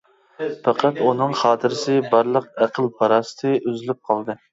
پەقەت ئۇنىڭ خاتىرىسى، بارلىق ئەقىل-پاراسىتى ئۈزۈلۈپ قالدى.